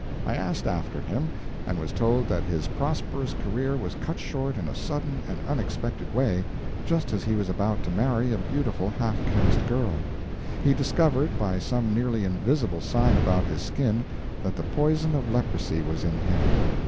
I asked after him, and was told that his prosperous career was cut short in a sudden and unexpected way, just as he was about to marry a beautiful half caste girl. He discovered, by some nearly invisible sign about his skin, that the poison of leprosy was in him.